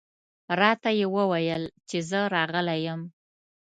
راته یې وویل چې زه راغلی یم.